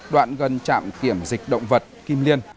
đoạn gần trạm kiểm dịch động vật kim liên